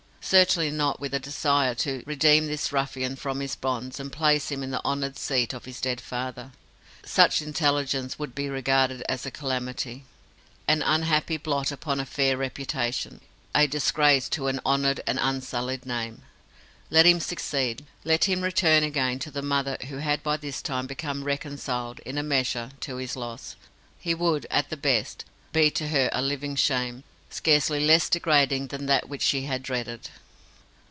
Certainly not with a desire to redeem this ruffian from his bonds and place him in the honoured seat of his dead father. Such intelligence would be regarded as a calamity, an unhappy blot upon a fair reputation, a disgrace to an honoured and unsullied name. Let him succeed, let him return again to the mother who had by this time become reconciled, in a measure, to his loss; he would, at the best, be to her a living shame, scarcely less degrading than that which she had dreaded.